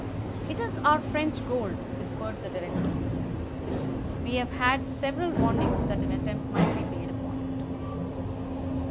"It is our French gold," whispered the director. "We have had several warnings that an attempt might be made upon it."